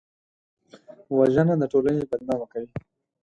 وژنه د ټولنې بدنامه کوي